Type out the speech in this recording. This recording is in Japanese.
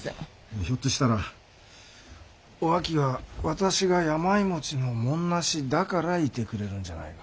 ひょっとしたらお秋は私が病持ちの文無しだからいてくれるんじゃないか。